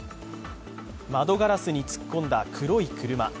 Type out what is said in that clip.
窓ガラスに突っ込んだ黒い車。